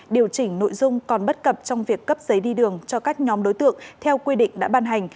điều chỉnh nội dung còn bất cập trong việc cấp giấy đi đường cho các nhóm đối tượng theo quy định đã ban hành